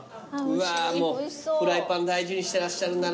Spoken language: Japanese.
うわもうフライパン大事にしてらっしゃるんだな